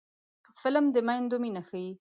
فلم د میندو مینه ښيي